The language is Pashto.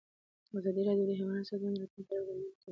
ازادي راډیو د حیوان ساتنه د راتلونکې په اړه وړاندوینې کړې.